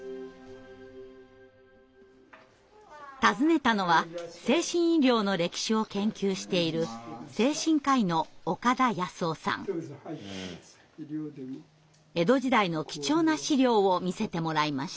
訪ねたのは精神医療の歴史を研究している江戸時代の貴重な資料を見せてもらいました。